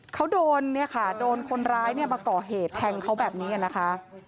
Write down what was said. เขาโดนคนร้ายมาก่อเหตุแทงเขาแบบนี้กันนะคะ